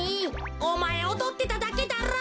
おまえおどってただけだろ？